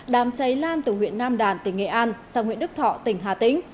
đám cháy lan từ huyện nam đàn tỉnh nghệ an sang huyện đức thọ tỉnh hà tĩnh